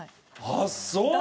あっそう？